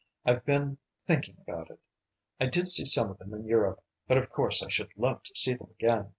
I've been thinking about it. I did see some of them in Europe, but of course I should love to see them again."